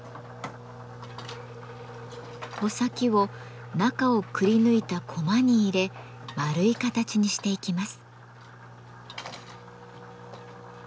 穂先を中をくりぬいたコマに入れ丸い形にしていきます。